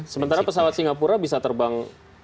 sementara pesawat singapura bisa terbang